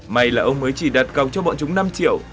may là ông mới chỉ đặt cọc cho bọn chúng năm triệu